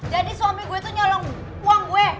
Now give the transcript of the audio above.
jadi suami gue itu nya eleng uang gue